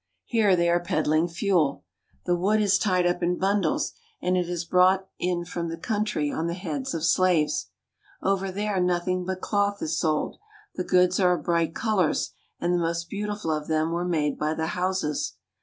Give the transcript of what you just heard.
Here they are peddling fuel. The wood is tied up in bundles, and it has been brought in from the country on the heads of slaves. Over there nothing but cloth is sold. The goods are of bright colors, and the most beautiful of them were made by the Hausas.